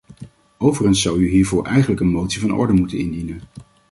Overigens zou u hiervoor eigenlijk een motie van orde moeten indienen.